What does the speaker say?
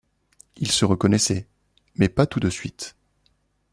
Il se reconnaissait, mais pas tout de suite.